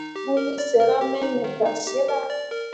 Mayuulii sera me me gak cillah.